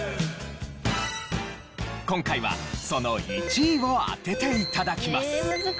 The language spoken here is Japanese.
今回はその１位を当てて頂きます。